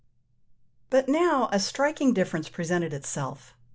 But now a striking difference presented itself.